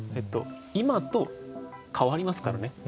今と変わりますからね。